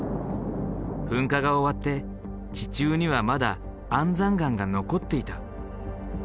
噴火が終わって地中にはまだ安山岩が残っていた。